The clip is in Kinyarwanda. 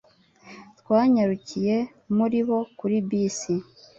Twanyarukiye muri bo kuri bisi.